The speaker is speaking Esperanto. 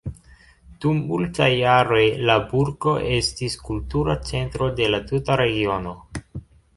Dum multaj jaroj la burgo estis kultura centro de la tuta regiono.